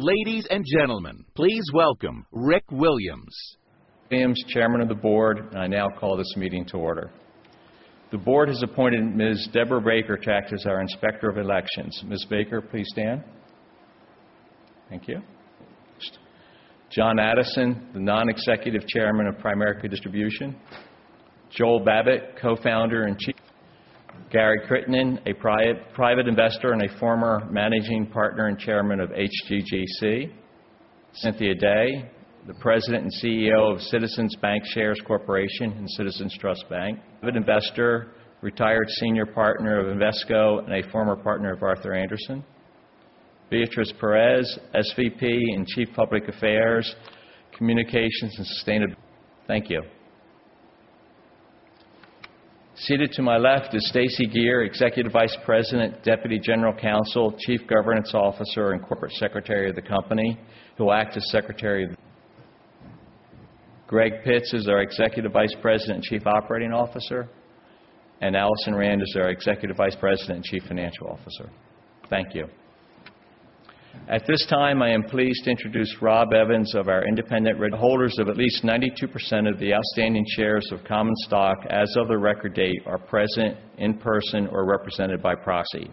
Ladies and gentlemen, please welcome Rick Williams. Williams, Chairman of the Board, I now call this meeting to order. The board has appointed Ms. Deborah Baker to act as our Inspector of Elections. Ms. Baker, please stand. Thank you. John Addison, the Non-Executive Chairman of Primerica Distribution. Joel Babbitt, Co-Founder and Chief. Gary Crittenden, a private investor and a former Managing Partner and Chairman of HGGC. Cynthia Day, the President and CEO of Citizens Bancshares Corporation and Citizens Trust Bank. An investor, retired Senior Partner of Invesco, and a former Partner of Arthur Andersen. Beatriz Perez, SVP in Chief Public Affairs, Communications, and Sustainability. Thank you. Seated to my left is Stacey Geer, Executive Vice President, Deputy General Counsel, Chief Governance Officer, and Corporate Secretary of the company, who will act as Secretary. Greg Pitts is our Executive Vice President and Chief Operating Officer. Alison Rand is our Executive Vice President and Chief Financial Officer. Thank you. At this time, I am pleased to introduce Rob Evans. Holders of at least 92% of the outstanding shares of common stock as of the record date are present in person or represented by proxy.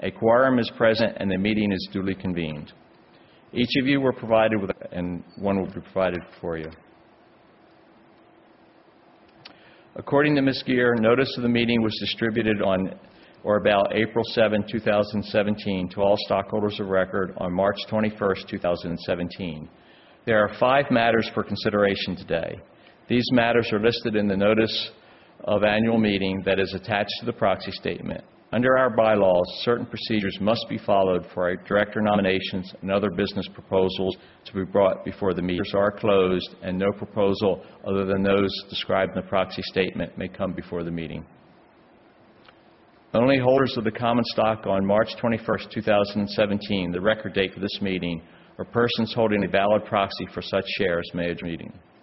A quorum is present. The meeting is duly convened. Each of you were provided with, and one will be provided for you. According to Ms. Geer, notice of the meeting was distributed on or about April 7, 2017, to all stockholders of record on March 21, 2017. There are five matters for consideration today. These matters are listed in the notice of Annual Meeting that is attached to the proxy statement. Under our bylaws, certain procedures must be followed for our director nominations and other business proposals to be brought before the meeting. No proposal other than those described in the proxy statement may come before the meeting. Only holders of the common stock on March 21, 2017, the record date for this meeting, or persons holding a valid proxy for such shares.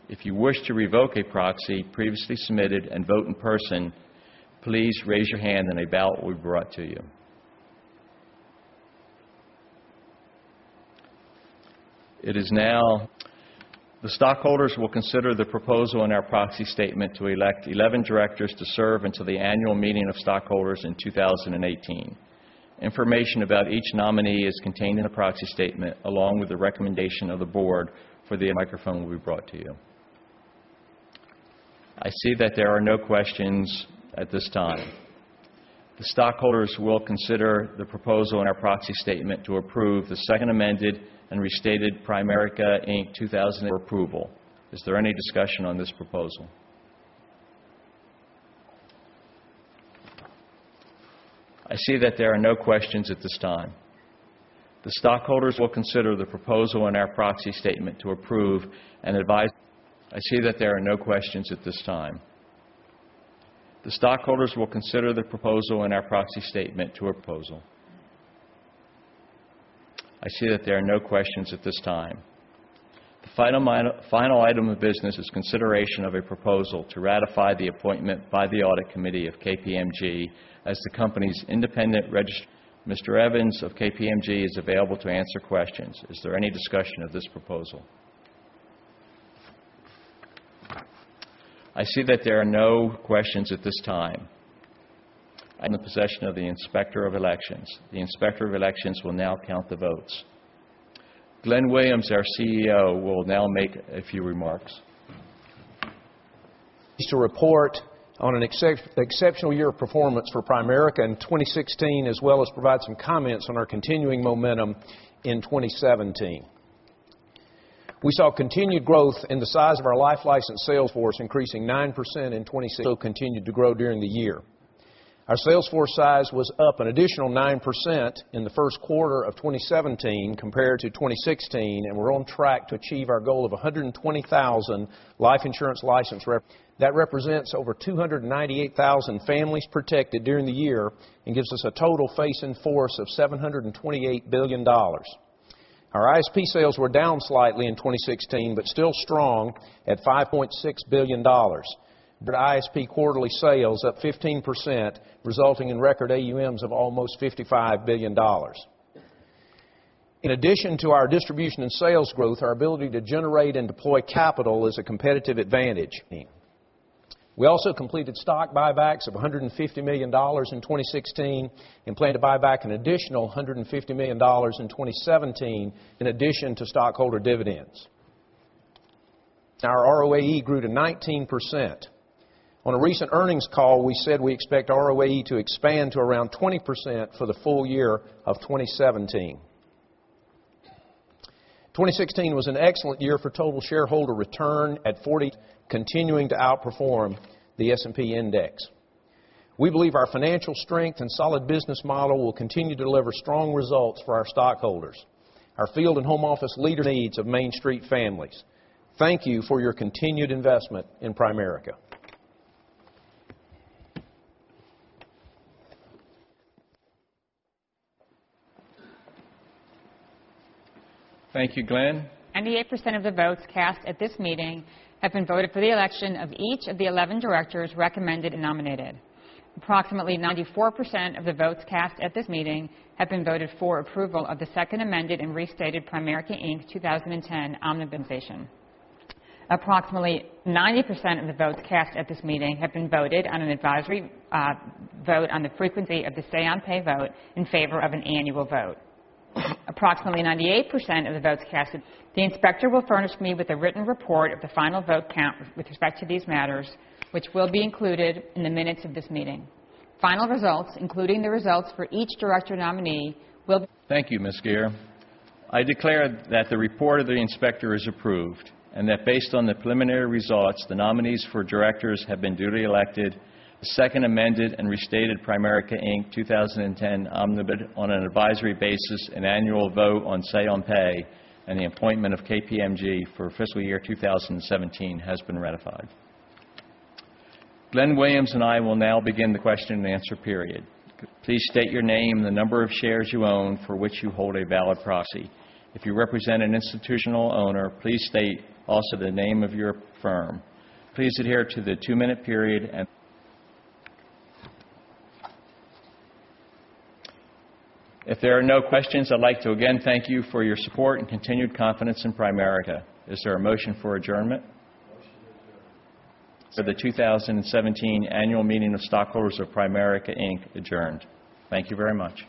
If you wish to revoke a proxy previously submitted and vote in person, please raise your hand and a ballot will be brought to you. It is now. The stockholders will consider the proposal in our proxy statement to elect 11 directors to serve until the Annual Meeting of Stockholders in 2018. Information about each nominee is contained in the proxy statement, along with the recommendation of the board. A microphone will be brought to you. I see that there are no questions at this time. The stockholders will consider the proposal in our proxy statement to approve the Primerica, Inc. Second Amended and Restated 2010 Omnibus Incentive Plan. Is there any discussion on this proposal? The final item of business is consideration of a proposal to ratify the appointment by the audit committee of KPMG as the company's independent regis- Mr. Evans of KPMG is available to answer questions. Is there any discussion of this proposal? I see that there are no questions at this time. In the possession of the Inspector of Elections. The Inspector of Elections will now count the votes. Glenn Williams, our CEO, will now make a few remarks. Pleased to report on an exceptional year of performance for Primerica in 2016, as well as provide some comments on our continuing momentum in 2017. We saw continued growth in the size of our life license sales force, increasing 9% in 2016. Still continued to grow during the year. Our sales force size was up an additional 9% in the first quarter of 2017 compared to 2016, and we're on track to achieve our goal of 120,000 life insurance license rep. That represents over 298,000 families protected during the year and gives us a total face in force of $728 billion. Our ISP sales were down slightly in 2016, but still strong at $5.6 billion. ISP quarterly sales up 15%, resulting in record AUMs of almost $55 billion. In addition to our distribution and sales growth, our ability to generate and deploy capital is a competitive advantage. We also completed stock buybacks of $150 million in 2016 and plan to buy back an additional $150 million in 2017 in addition to stockholder dividends. Our ROAE grew to 19%. On a recent earnings call, we said we expect ROAE to expand to around 20% for the full year of 2017. 2016 was an excellent year for total shareholder return at 40%, continuing to outperform the S&P Index. We believe our financial strength and solid business model will continue to deliver strong results for our stockholders. Our field and home office leader. Needs of Main Street families. Thank you for your continued investment in Primerica. Thank you, Glenn. 98% of the votes cast at this meeting have been voted for the election of each of the 11 directors recommended and nominated. Approximately 94% of the votes cast at this meeting have been voted for approval of the Second Amended and Restated Primerica, Inc. 2010 Omnibus. Approximately 90% of the votes cast at this meeting have been voted on an advisory vote on the frequency of the Say on Pay vote in favor of an annual vote. Approximately 98% of the votes cast. The inspector will furnish me with a written report of the final vote count with respect to these matters, which will be included in the minutes of this meeting. Final results, including the results for each director nominee, will be Thank you, Ms. Geer. I declare that the report of the inspector is approved, and that based on the preliminary results, the nominees for directors have been duly elected, the Second Amended and Restated Primerica, Inc. 2010 omni, on an advisory basis, an annual vote on Say on Pay, and the appointment of KPMG for fiscal year 2017 has been ratified. Glenn Williams and I will now begin the question and answer period. Please state your name, the number of shares you own for which you hold a valid proxy. If you represent an institutional owner, please state also the name of your firm. Please adhere to the two-minute period. If there are no questions, I'd like to again thank you for your support and continued confidence in Primerica. Is there a motion for adjournment? Motion to adjourn. The 2017 annual meeting of stockholders of Primerica Inc. adjourned. Thank you very much.